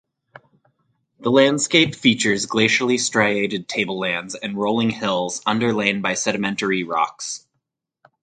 The landscape features glacially striated tablelands and rolling hills underlain by sedimentary rocks.